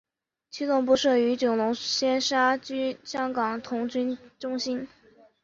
其总部设于九龙尖沙咀香港童军中心。